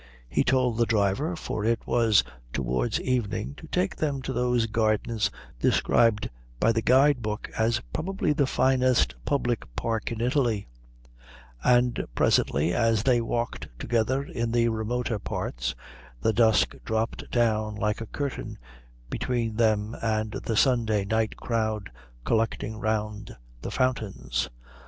He told the driver, for it was towards evening, to take them to those gardens described by the guide book as probably the finest public park in Italy; and presently, as they walked together in the remoter parts, the dusk dropped down like a curtain between them and the Sunday night crowd collecting round the fountains.